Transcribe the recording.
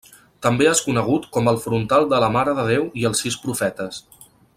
També és conegut com el Frontal de la Mare de Déu i els sis profetes.